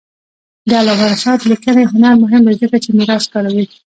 د علامه رشاد لیکنی هنر مهم دی ځکه چې میراث کاروي.